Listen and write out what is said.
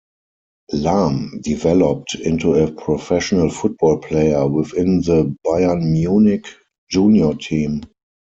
Lahm developed into a professional football player within the Bayern Munich Junior Team.